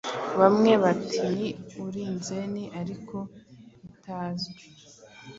Bamwe bati 'Ni Urizeni Ariko bitazwi,